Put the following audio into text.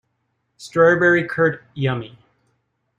Strawberry curd, yummy!